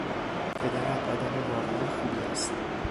پدرت آدم واقعا خوبی است.